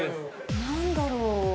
何だろう？